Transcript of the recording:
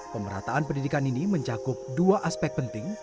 pemerataan pendidikan ini mencakup dua aspek penting